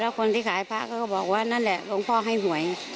แล้วคนที่ขายพระก็บอกว่านั่นแหละรุงพ่อให้หวย